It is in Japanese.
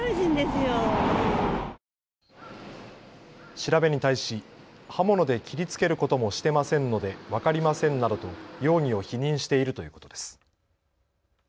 調べに対し刃物で切りつけることもしてませんので分かりませんなどと容疑を否認しているということです。